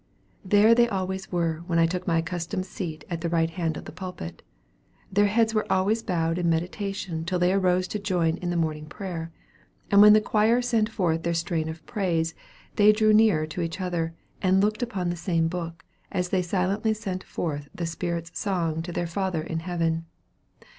There they always were when I took my accustomed seat at the right hand of the pulpit. Their heads were always bowed in meditation till they arose to join in the morning prayer; and when the choir sent forth their strain of praise they drew nearer to each other, and looked upon the same book, as they silently sent forth the spirit's song to their Father in heaven.